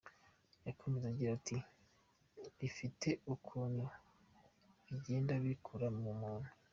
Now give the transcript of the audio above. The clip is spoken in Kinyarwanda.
Yakomeje agira ati “Bifite ukuntu bigenda bikura mu muntu.